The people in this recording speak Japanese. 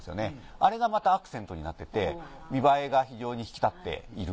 あれがまたアクセントになってて見栄えが非常に引き立っている。